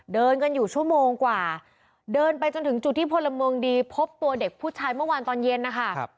เดินกันอยู่ชั่วโมงกว่าเดินไปจนถึงจุดที่พลเมืองดีพบตัวเด็กผู้ชายเมื่อวานตอนเย็นนะคะ